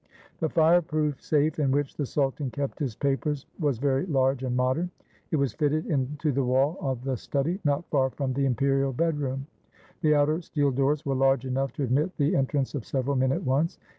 536 THE HOUSE OF FEAR The fireproof safe in which the sultan kept his papers was very large and modern. It was fitted into the wall of the study, not far from the imperial bedroom. The outer steel doors were large enough to admit the en trance of several men at once.